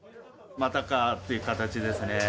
またかーって形ですね。